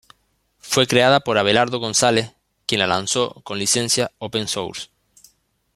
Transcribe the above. Fue creada por Abelardo González, quien la lanzó con licencia open-source.